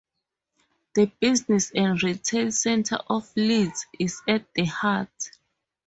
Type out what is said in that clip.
The business and retail centre of Leeds is at the heart.